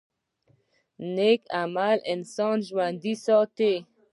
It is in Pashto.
نیک عمل انسان ژوندی ساتي